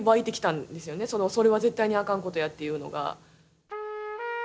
それは絶対にあかんことやっていうのが。